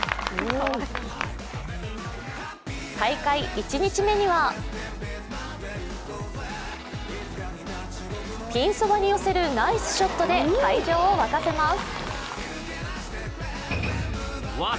大会１日目にはピンそばに寄せるナイスショットで会場を沸かせます。